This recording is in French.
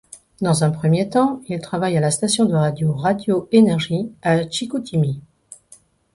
Dans un premier temps, il travaille à la station de radio Radio-Énergie à Chicoutimi.